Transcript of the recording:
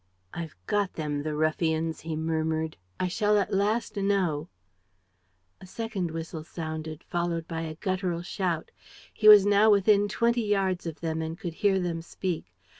"I've got them, the ruffians!" he murmured. "I shall at last know ..." A second whistle sounded, followed by a guttural shout. He was now within twenty yards of them and could hear them speak.